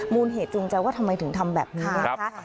มูลเหตุจูงใจว่าทำไมถึงทำแบบนี้นะคะ